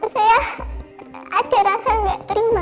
saya ada rasa nggak terima